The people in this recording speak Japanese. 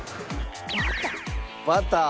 バター？